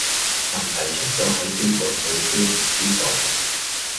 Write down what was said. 問題出左係邊度你知唔知道?